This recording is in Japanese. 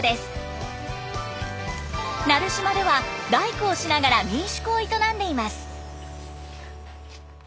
奈留島では大工をしながら民宿を営んでいます。